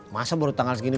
masa baru tanggal segini